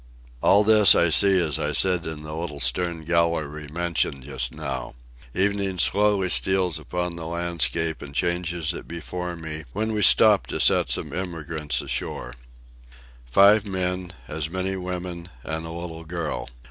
All this I see as I sit in the little stern gallery mentioned just now. Evening slowly steals upon the landscape and changes it before me, when we stop to set some emigrants ashore. Five men, as many women, and a little girl.